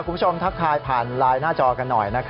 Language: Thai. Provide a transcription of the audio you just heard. คุณผู้ชมทักขายผ่านลายหน้าจอกันหน่อย